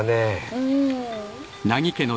うん。